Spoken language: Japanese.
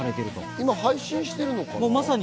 今、配信されているのかな？